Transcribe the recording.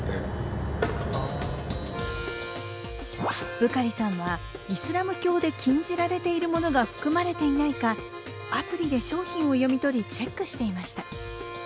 ブカリさんはイスラム教で禁じられているものが含まれていないかアプリで商品を読み取りチェックしていました。